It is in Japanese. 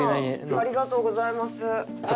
ありがとうございます。